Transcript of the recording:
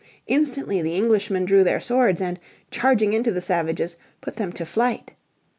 Instantly the Englishmen drew their swords and, charging into the savages, put them to flight.